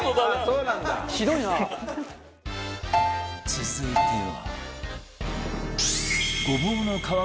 続いては